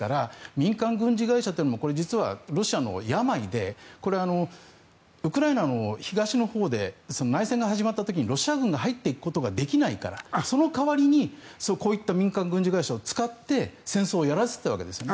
民間軍事会社というのも実はロシアの病でこれはウクライナの東のほうで内戦が始まった時にロシア軍が入っていくことができないからその代わりにこういった民間軍事会社を使って戦争をやらせていたわけですね。